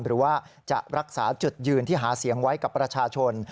หรือว่าจะรักษาจุดยืนที่หาเสียงไว้กับประชาชน